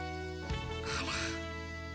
あら。